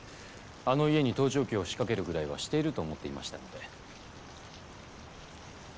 あの家に盗聴器を仕掛けるぐらいはしていると思っていましたので。